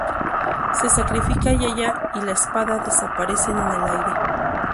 Se sacrifica y ella y la espada desaparecen en el aire.